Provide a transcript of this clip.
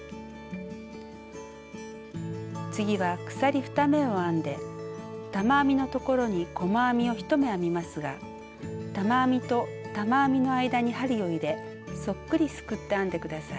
次は鎖２目を編んで玉編みのところに玉編みと玉編みの間に針を入れそっくりすくって編んでください。